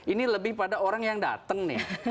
ini lebih pada orang yang datang nih